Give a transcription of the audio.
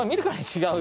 違う？